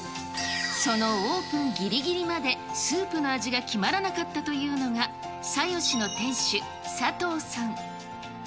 そのオープンぎりぎりまでスープの味が決まらなかったというのが、佐よしの店主、佐藤さん。